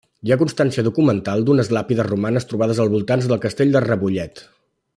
Hi ha constància documental d'unes làpides romanes trobades als voltants del castell de Rebollet.